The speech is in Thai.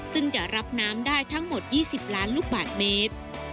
ซึ่งจะรับน้ำได้ทั้งหมด๒๐ล้านลูกบาทเมตร